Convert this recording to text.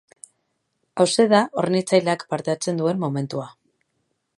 Hauxe da hornitzaileak parte hartzen duen momentua.